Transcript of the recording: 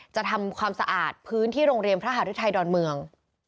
จะทำความสะอาดพื้นที่โรงเรียนพระหารุทัยดอนเมือง